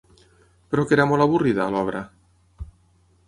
Però que era molt avorrida, l'obra?